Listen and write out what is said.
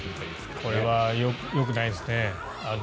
これはよくないですね。